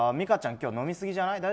今日飲みすぎじゃない？